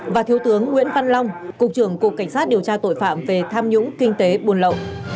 và thiếu tướng nguyễn văn long cục trưởng cục cảnh sát điều tra tội phạm về tham nhũng kinh tế buôn lậu